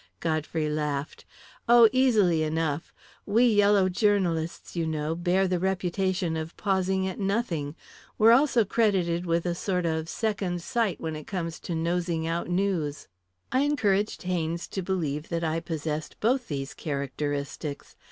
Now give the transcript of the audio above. Godfrey laughed. "Oh, easily enough. We yellow journalists, you know, bear the reputation of pausing at nothing. We're also credited with a sort of second sight when it comes to nosing out news. I encouraged Haynes to believe that I possessed both these characteristics.